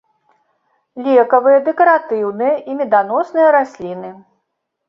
Лекавыя, дэкаратыўныя і меданосныя расліны.